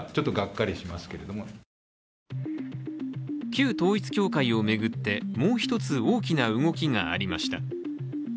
旧統一教会を巡って、もう一つ大きな動きがありました。